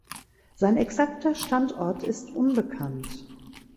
Sein exakter Standort ist unbekannt.